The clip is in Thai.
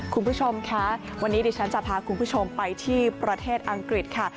คุณผู้ชมค่ะวันนี้ดิฉันจะพาคุณผู้ชมไปที่ประเทศอังกฤษค่ะ